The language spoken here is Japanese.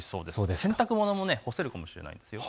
洗濯物も干せるかもしれないですよ。